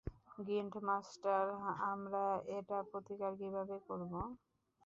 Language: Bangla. গিল্ড মাস্টার, আমরা এটা প্রতিকার কীভাবে করবো?